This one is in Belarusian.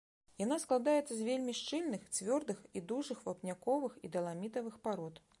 Яна складаецца з вельмі шчыльных, цвёрдых і дужых вапняковых і даламітавых парод.